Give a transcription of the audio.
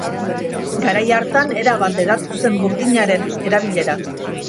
Garai hartan erabat hedatu zen burdinaren erabilera.